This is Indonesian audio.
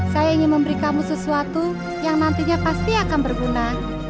saya ingin memberi kamu sesuatu yang nantinya pasti akan berguna